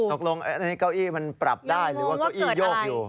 ตกลงอันนี้เก้าอี้มันปรับได้หรือว่าเก้าอี้ยกอยู่